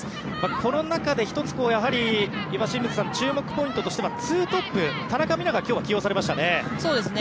この中で１つ、岩清水さん注目ポイントとしては２トップ、田中美南が今日は起用されましたね。